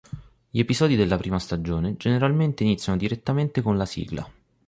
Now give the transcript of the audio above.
Gli episodi della prima stagione generalmente iniziano direttamente con la sigla.